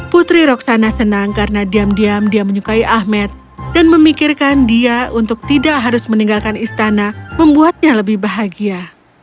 putri roksana senang karena diam diam dia menyukai ahmed dan memikirkan dia untuk tidak harus meninggalkan istana membuatnya lebih bahagia